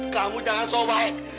kamu jangan sobaik